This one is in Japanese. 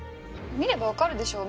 見ればわかるでしょ。